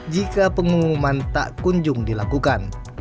jika pengumuman tak kunjung dilakukan